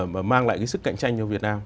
mà mang lại cái sức cạnh tranh cho việt nam